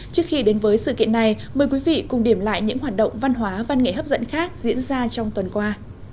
trước khi đến với sự kiện này mời quý vị cùng điểm lại những hoạt động văn hóa văn nghệ hấp dẫn khác diễn ra trong tuần qua